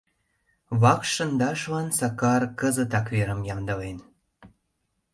Вакш шындашлан Сакар кызытак верым ямдылен.